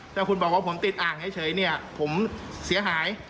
ถ้าคุณบอกว่าผมติดอ่างเฉยเนี่ยผมเสียหาย